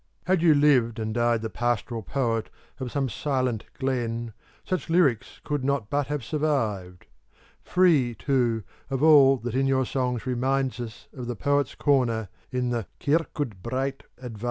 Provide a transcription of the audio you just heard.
* Had you lived and died the pastoral poet of some silent glen, such lyrics could not but have survived; free, too, of all that in your songs reminds us of the Poet's Corner in the 'Kirkcudbright Advertiser.'